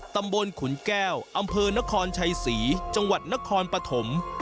ตำบลขุนแก้วอำเภอนครชัยศรีจังหวัดนครปฐม